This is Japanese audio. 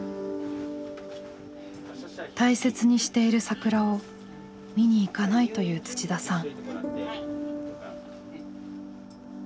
大切にしている桜を見に行かないと言う土田さん。